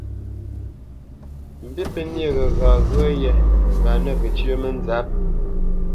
Mbî pə́ nyê ghəgha ghyə́yé mba nə̂ pəcyə́ mənzǎp.